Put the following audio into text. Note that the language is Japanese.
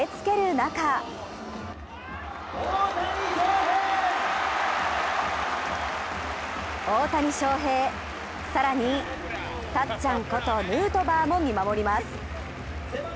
中大谷翔平、更にたっちゃんことヌートバーも見守ります。